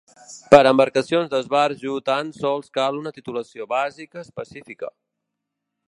Per a embarcacions d'esbarjo tan sols cal una titulació bàsica específica.